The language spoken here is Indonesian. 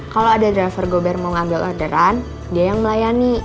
kalau ada driver gober mau ngambil orderan dia yang melayani